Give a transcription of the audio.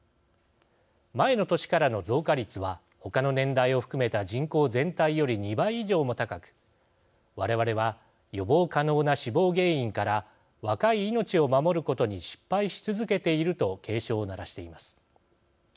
前の年からの増加率はほかの年代を含めた人口全体より２倍以上も高く「われわれは予防可能な死亡原因から若い命を守ることに失敗し続けている」と警鐘を鳴らしています。